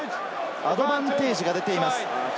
アドバンテージが出ています。